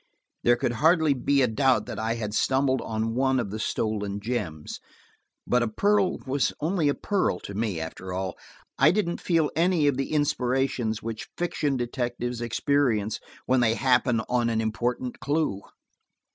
There could hardly be a doubt that I had stumbled on one of the stolen gems; but a pearl was only a pearl to me, after all. I didn't feel any of the inspirations which fiction detectives experience when they happen on an important clue.